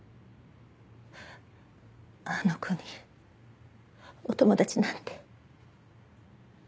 あの子にお友達なんて。